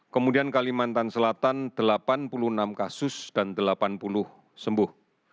kemudian kalimantan selatan delapan puluh enam kasus dan delapan puluh sembuh